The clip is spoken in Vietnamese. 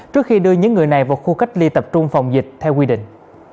trước khi đưa những người này vào khu cách ly tập trung phòng dịch theo quy định